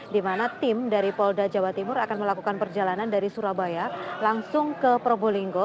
di mana tim dari polda jawa timur akan melakukan perjalanan dari surabaya langsung ke probolinggo